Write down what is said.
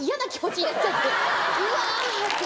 うわって。